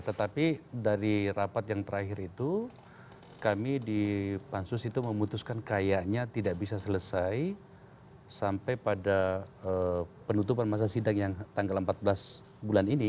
tetapi dari rapat yang terakhir itu kami di pansus itu memutuskan kayaknya tidak bisa selesai sampai pada penutupan masa sidang yang tadi